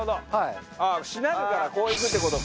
あっしなるからこういくって事か。